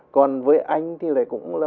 còn với anh thì lại cũng là